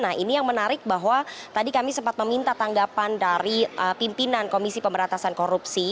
nah ini yang menarik bahwa tadi kami sempat meminta tanggapan dari pimpinan komisi pemberantasan korupsi